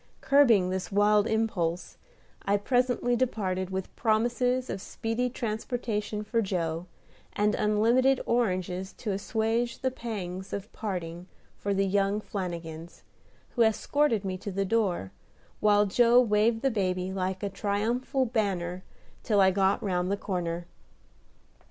Curbing this wild impulse I presently departed with promises of speedy transportation for Joe, and unlimited oranges to assuage the pangs of parting for the young Flanagins, who escorted me to the door, while Joe waved the baby like a triumphal banner till I got round the corner.